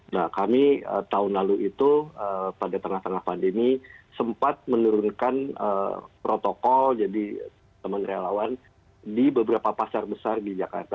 nah kami tahun lalu itu pada tengah tengah pandemi sempat menurunkan protokol jadi teman relawan di beberapa pasar besar di jakarta